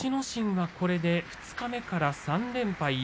心はこれで二日目から３連敗。